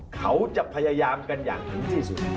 เขาจะพยายามกันอย่างถึงที่สุด